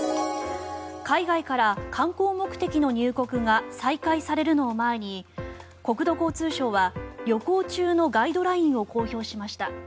海外から観光目的の入国が再開されるのを前に国土交通省は旅行中のガイドラインを公表しました。